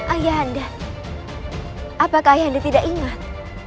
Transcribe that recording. ayahanda apakah ayahanda tidak ingat